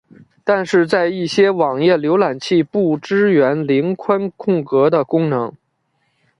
但是在一些网页浏览器不支援零宽空格的功能。